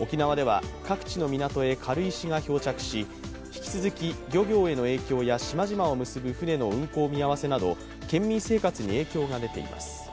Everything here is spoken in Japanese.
沖縄では、各地の港へ軽石が漂着し引き続き漁業への影響や島々を結ぶ船の運航見合わせなど、県民生活に影響が出ています。